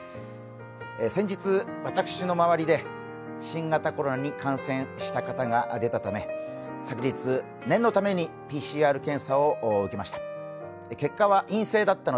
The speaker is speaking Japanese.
先日、私の周りで新型コロナに感染した方が出たため、昨日、念のためにＰＣＲ検査を受けました。